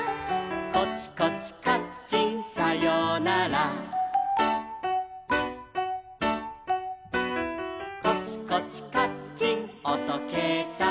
「コチコチカッチンさようなら」「コチコチカッチンおとけいさん」